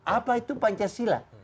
apa itu pancasila